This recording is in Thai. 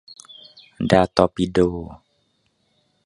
ดาตอร์ปิโด